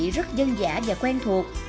rất dân giả và quen thuộc